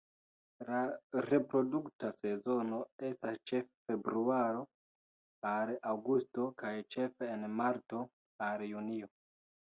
La reprodukta sezono estas ĉefe februaro al aŭgusto kaj ĉefe en marto al junio.